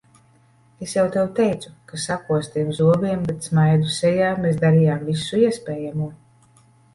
Es jau tev teicu, ka sakostiem zobiem, bet smaidu sejā mēs darījām visu iespējamo.